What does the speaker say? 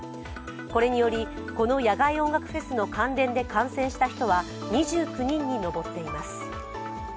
これにより、この野外音楽フェスの関連で感染した人は２９人に上っています。